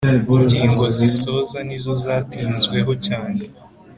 Ingingo zisoza nizo zatinzweho cyane